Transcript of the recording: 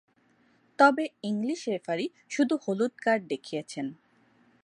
তবে English referee শুধু হলুদ কার্ড দেখিয়েছেন।